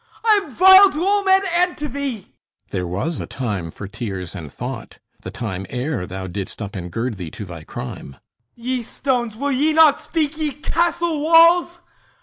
I am vile to all men, and to thee! THESEUS There was a time for tears and thought; the time Ere thou didst up and gird thee to thy crime. HIPPOLYTUS Ye stones, will ye not speak? Ye castle walls!